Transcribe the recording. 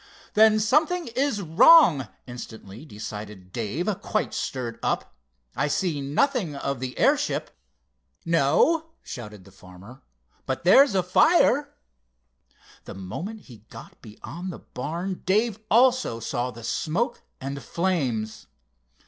"Then something is wrong," instantly decided Dave, quite stirred up. "I see nothing of the airship—" "No," shouted the farmer, "but there's a fire!" The moment he got beyond the barn, Dave also saw the smoke and flames.